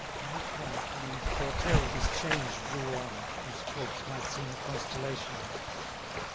No comet need foretell his change drew on, Whose corpse might seem a constellation.